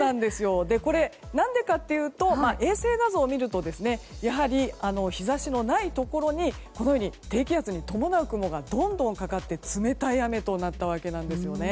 これ、何でかというと衛星画像を見るとやはり日差しのないところに低気圧に伴う雲がかかって冷たい雨になったんです。